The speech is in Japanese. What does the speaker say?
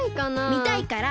みたいから！